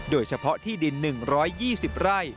โดยเฉพาะที่ดิน๑๒๐ไร่